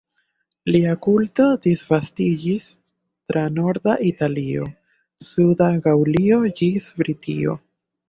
Lia kulto disvastiĝis tra norda Italio, suda Gaŭlio ĝis Britio.